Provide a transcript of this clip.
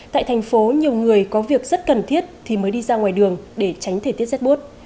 tại thành phố nhiều người có việc rất cần thiết thì mới đi ra ngoài đường để tránh thời tiết rét buốt